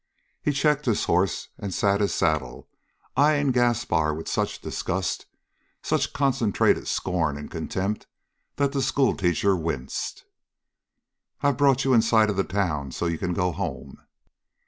He checked his horse and sat his saddle, eying Gaspar with such disgust, such concentrated scorn and contempt, that the schoolteacher winced. "I've brought you in sight of the town so's you can go home."